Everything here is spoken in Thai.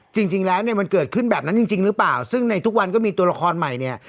จริงแล้วเนี่ยมันเกิดขึ้นแบบนั้นจริงจริงหรือเปล่าซึ่งในทุกวันก็มีตัวละครใหม่เนี่ย